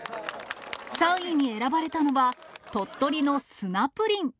３位に選ばれたのは、鳥取の砂プリン。